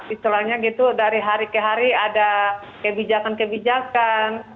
istilahnya gitu dari hari ke hari ada kebijakan kebijakan